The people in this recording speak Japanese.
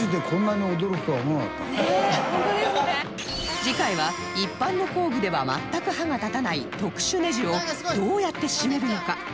次回は一般の工具では全く歯が立たない特殊ネジをどうやって締めるのか徹底攻略します